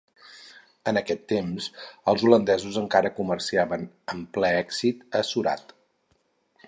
En aquest temps els holandesos encara comerciaven amb ple èxit a Surat.